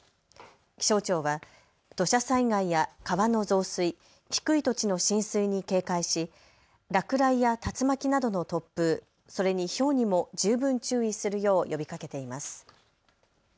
気象庁は土砂災害や川の増水低い土地の浸水に警戒し落雷や竜巻などの突風それに、ひょうにも十分注意するよう呼びかけています。